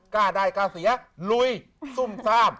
กล้าได้กล้าเสียลุยซุ่มซ่าม